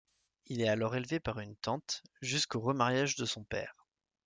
Il est alors élevé par une tante, jusqu'au remariage de son père.